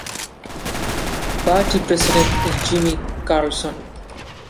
Party president is Jimmy Karlsson.